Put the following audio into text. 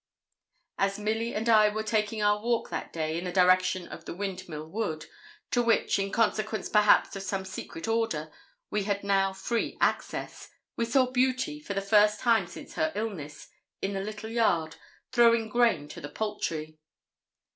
As Milly and I were taking our walk that day, in the direction of the Windmill Wood, to which, in consequence perhaps of some secret order, we had now free access, we saw Beauty, for the first time since her illness, in the little yard, throwing grain to the poultry.